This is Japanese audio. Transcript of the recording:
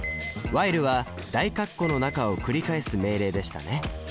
「ｗｈｉｌｅ」は大括弧の中を繰り返す命令でしたね。